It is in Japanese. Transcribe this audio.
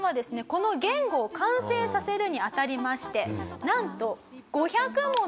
この言語を完成させるに当たりましてなんと。